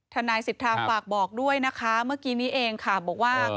ทนายสิทธาฝากบอกด้วยนะคะเมื่อกี้นี้เองค่ะบอกว่า